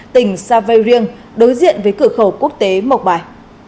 tỉnh sa vê riêng đối diện với cửa khẩu quốc tế mộc bài